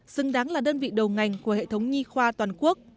xứng đáng là đơn vị đầu ngành của hệ thống nhi khoa toàn quốc